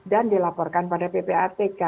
dan dilaporkan pada ppatk